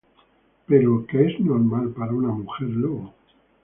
Pero, ¿Que es normal para una mujer lobo?